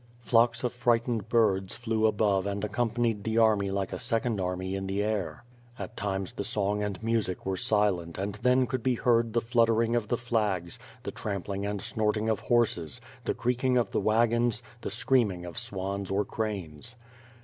Flocks of frightened birds flew above and accompanied the army like a second army in the air. At tinges the song and music were silent and then could be heard the fluttering of the flags, the trampling and snorting of horses, the creaking of the wagons, the screaming of swans or cranes.